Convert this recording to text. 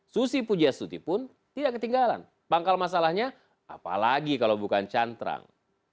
susi pujastuti pun tidak ketinggalan pangkal masalahnya apalagi kalau bukan cantrang